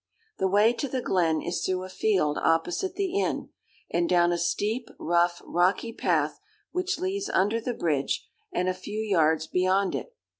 "The way to the glen is through a field opposite the inn, and down a steep, rough, rocky path, which leads under the bridge, and a few yards beyond it.